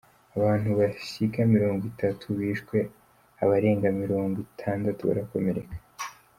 Abantu bashika mirongo itatu bishwe abarenga mirongo itandatu barakomereka.